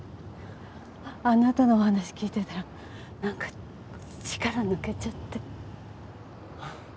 あなたのお話聞いてたらなんか力抜けちゃって。